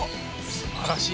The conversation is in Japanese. すばらしい。